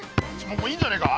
もういいんじゃないか？